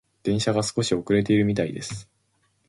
電車が少し遅れているみたいです。